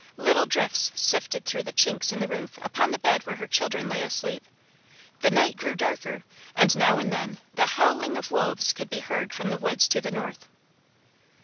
Little drifts sifted through the chinks in the roof upon the bed where her children lay asleep; the night grew darker, and now and then the howling of the wolves could be heard from the woods to the north.